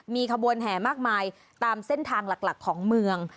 มีขบวนแห่มากมายตามเส้นทางหลักของเมือง